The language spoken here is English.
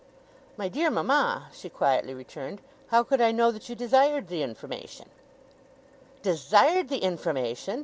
'My dear mama,' she quietly returned, 'how could I know that you desired the information?' 'Desired the information!